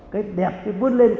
cái đẹp cái vướt lên